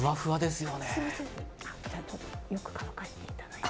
よく乾かしていただいて。